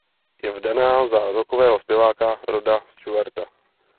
Je vdaná za rockového zpěváka Roda Stewarta.